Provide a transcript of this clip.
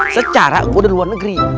secara gue dari luar negeri